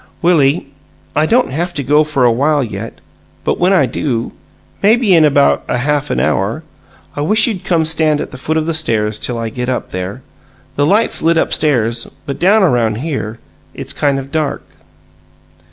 "Willie, I don't haf to go for a while yet, but when I do maybe in about a half an hour I wish you'd come stand at the foot of the stairs till I get up there. The light's lit up stairs, but down around here it's kind of dark."